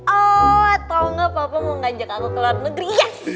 oh atau enggak papa mau ngajak aku ke luar negeri